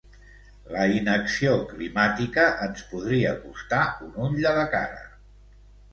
La inacció climàtica ens podria costar un ull de la cara.